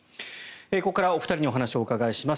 ここから、お二人にお話を伺います。